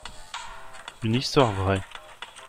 Une histoire vraie.